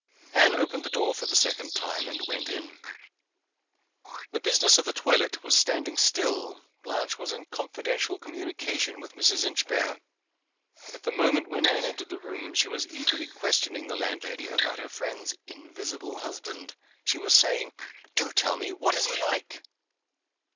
Anne opened the door for the second time, and went in. The business of the toilet was standing still. Blanche was in confidential communication with Mrs. Inchbare. At the moment when Anne entered the room she was eagerly questioning the landlady about her friend's "invisible husband" she was just saying, "Do tell me! what is he like?"